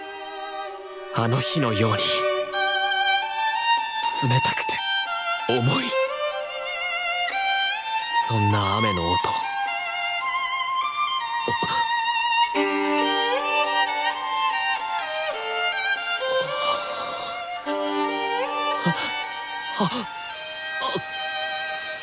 あの日のように冷たくて重いそんな雨の音ああっ。